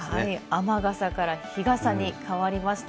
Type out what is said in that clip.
雨傘から日傘に変わりました。